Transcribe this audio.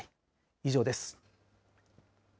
以上です。